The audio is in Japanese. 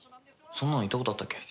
そんなの行ったことあったっけ？